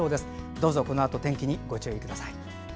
どうぞこのあと、天気にご注意ください。